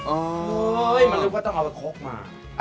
โอ้ยยยยยมันยึกว่าต้องเอาคกมา